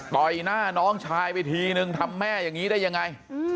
หน้าน้องชายไปทีนึงทำแม่อย่างนี้ได้ยังไง